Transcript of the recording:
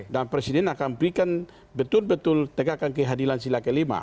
dan presiden akan berikan betul betul tegak kehadilan sila kelima